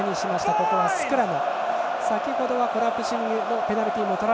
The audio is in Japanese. ここはスクラム。